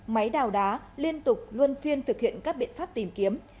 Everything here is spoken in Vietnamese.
máy đào đá liên tục luôn phiên thực hiện các biện pháp tìm kiếm